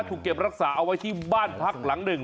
ถูกเก็บรักษาเอาไว้ที่บ้านพักหลังหนึ่ง